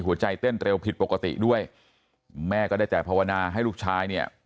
เต้นเร็วผิดปกติด้วยแม่ก็ได้แต่ภาวนาให้ลูกชายเนี่ย